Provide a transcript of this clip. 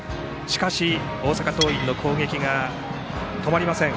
大阪桐蔭の攻撃が止まりません。